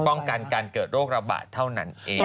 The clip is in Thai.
ป้องกันการเกิดโรคระบาดเท่านั้นเอง